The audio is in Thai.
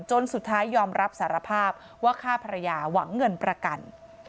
จนสุดท้ายยอมรับสารภาพว่าฆ่าภรรยาหวังเงินประกัน